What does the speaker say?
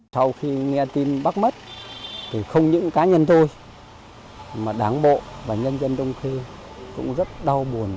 sau khi nghe tin bác mất thì không những cá nhân thôi mà đáng bộ và nhân dân đông khê cũng rất đau buồn